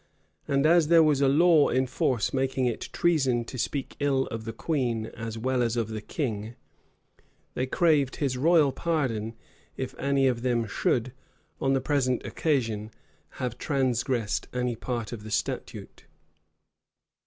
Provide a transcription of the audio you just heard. And as there was a law in force making it treason to speak ill of the queen as well as of the king, they craved his royal pardon if any of them should, on the present occasion, have transgressed any part of the statute.